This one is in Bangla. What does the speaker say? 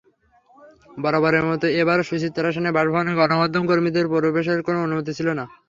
বরাবরের মতো এবারও সুচিত্রা সেনের বাসভবনে গণমাধ্যমকর্মীদের প্রবেশের কোনো অনুমতি ছিল না।